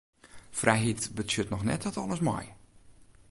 Frijheid betsjut noch net dat alles mei.